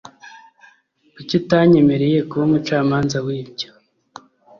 Kuki utanyemereye kuba umucamanza wibyo?